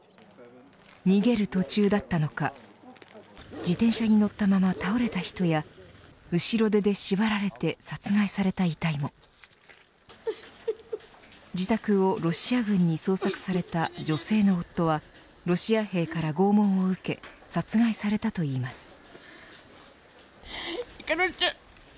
逃げる途中だったのか自転車に乗ったまま倒れた人や後ろ手で縛られて殺害された遺体も自宅をロシア軍に捜索された女性の夫はロシア兵から拷問を受け殺害されたといいます。